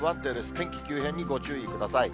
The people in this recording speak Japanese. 天気急変にご注意ください。